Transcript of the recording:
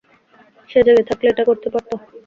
সে জেগে থাকলে এটা করতে পারতো?